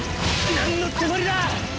なんのつもりだ！？